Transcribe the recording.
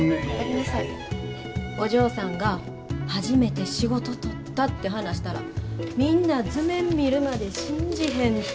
お嬢さんが初めて仕事取ったって話したらみんな図面見るまで信じへんて！